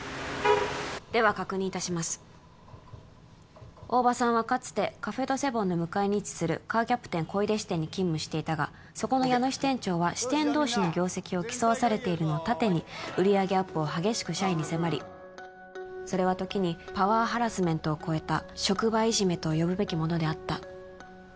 では確認いたします大庭さんはかつてカフェ・ド・セボンの向かいに位置するカーキャプテン小井手支店に勤務していたがそこの矢野支店長は支店同士の業績を競わされているのを盾に売り上げアップを激しく社員に迫りそれは時にパワーハラスメントを超えた職場いじめと呼ぶべきものであった